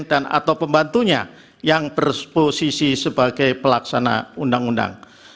dan atau pembantunya yang berposisi sebagai pelaksana undang undang